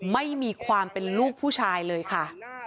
ไม่มีความเป็นลูกผู้ชายเลยค่ะ